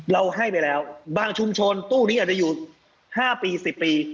เราให้ไปแล้วบางชุมชนตู้นี้อาจจะอยู่๕ปี๑๐ปี